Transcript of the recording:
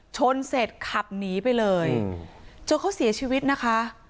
ชนเสร็จขับหนีไปเลยจนเขาเสียชีวิตนะคะ